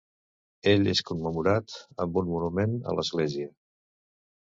Ell és commemorat amb un monument a l'església.